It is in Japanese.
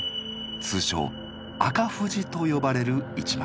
通称「赤富士」と呼ばれる一枚です。